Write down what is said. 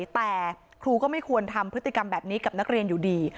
แต่ครูก็ไม่ควรทำพฤติกรรมแบบนี้กับนักเรียนอยู่ดี